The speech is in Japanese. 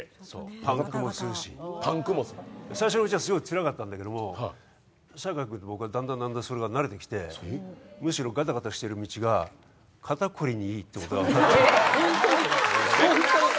パンクもするし、最初のうちはつらかったんだけれども僕はだんだんなれてきてむしろガタガタしている道が肩凝りにいいってことが分かった。